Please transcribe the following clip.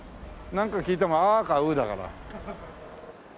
なんか聞いても「あ」か「う」だから。